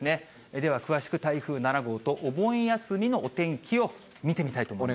では詳しく台風７号とお盆休みのお天気を見てみたいと思います。